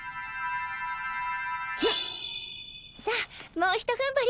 さあもうひとふんばり！